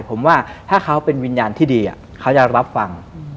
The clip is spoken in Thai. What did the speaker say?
ผมว่าถ้าเขาเป็นวิญญาณที่ดีเขาจะรับฟัง